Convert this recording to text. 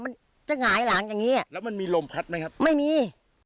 มันจะหงายหลังอย่างงี้อ่ะแล้วมันมีลมพัดไหมครับไม่มี